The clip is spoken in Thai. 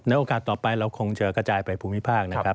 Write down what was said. โอกาสต่อไปเราคงจะกระจายไปภูมิภาคนะครับ